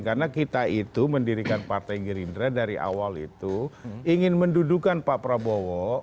karena kita itu mendirikan partai ngiri indra dari awal itu ingin mendudukan pak prabowo